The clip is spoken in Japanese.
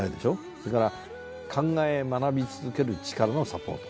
それから考え学び続けるチカラのサポート。